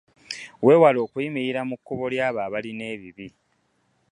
Wewale okuyimirila mu kkubo lyabo abaliana ebibi.